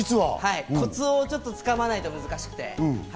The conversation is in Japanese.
コツを掴まないと難しくて。